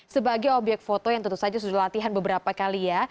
sebagai obyek foto yang tentu saja sudah latihan beberapa kali ya